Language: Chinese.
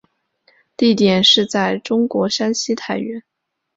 地点是在中国山西太原。